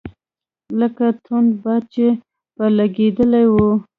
لکه توند باد چي پر لګېدلی وي .